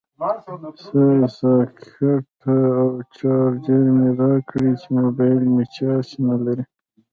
سه ساکټه او چارجر مې راکړئ چې موبایل مې چارج نلري